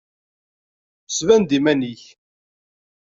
Sban-d iman-ik!